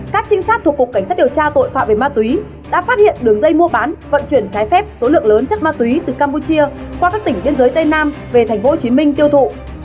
các trinh sát thuộc cục cảnh sát điều tra tội phạm về ma túy đã phát hiện đường dây mua bán vận chuyển trái phép số lượng lớn chất ma túy từ campuchia qua các tỉnh biên giới tây nam về tp hcm tiêu thụ